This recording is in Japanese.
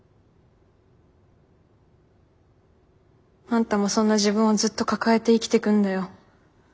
あんたもそんな自分をずっと抱えて生きてくんだよ。